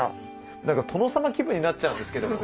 何か殿様気分になっちゃうんですけど。